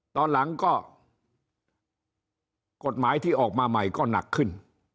ตอนหลังก็กฎหมายที่ออกมาใหม่ก็หนักขึ้น